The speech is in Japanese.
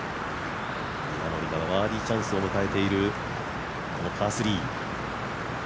バーディーチャンスを迎えている、このパー３。